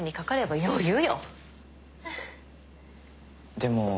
でも。